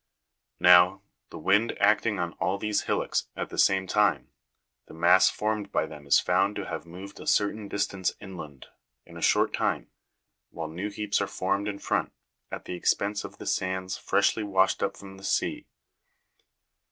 Now, the wind acting on all these hillocks at the same time, the mass formed by them is found to have moved a certain di stance inland, in a short time, while new heaps are formed in front, at the expense of the sands freshly washed up from the sea.